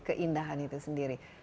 keindahan itu sendiri